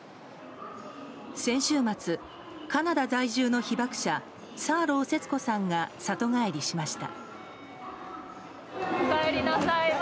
先週末、カナダ在住の被爆者サーロー節子さんが里帰りしました。